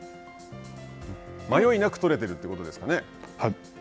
迷いなく取れてるってことですかね。